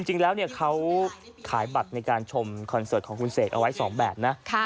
จริงแล้วเขาขายบัตรในการชมคอนเสิร์ตของคุณเสกเอาไว้๒แบบนะ